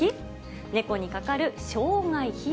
猫にかかる生涯費用。